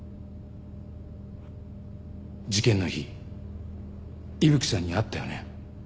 事件の日伊吹さんに会ったよね？